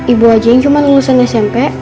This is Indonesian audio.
ibu aja yang cuma lulusan smp